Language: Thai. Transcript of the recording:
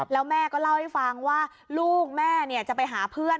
แล้วแม่ก็เล่าให้ฟังว่าลูกแม่จะไปหาเพื่อน